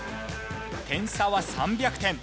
点差は３００点。